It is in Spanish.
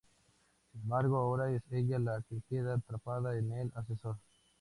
Sin embargo, ahora es ella la que queda atrapada en el ascensor.